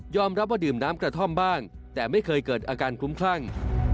รับว่าดื่มน้ำกระท่อมบ้างแต่ไม่เคยเกิดอาการคลุ้มคลั่ง